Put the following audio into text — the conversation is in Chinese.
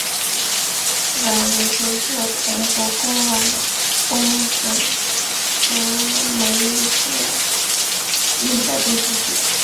阮如琢是宏国公阮公笋和枚氏映的第四子。